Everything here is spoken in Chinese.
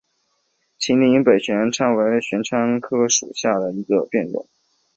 秦岭北玄参为玄参科玄参属下的一个变种。